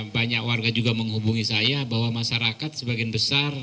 banyak warga juga menghubungi saya bahwa masyarakat sebagian besar